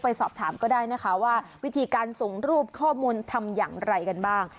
ไปสอบถามก็ได้นะคะว่าวิธีการส่งรูปข้อมูลทำอย่างไรกันบ้าง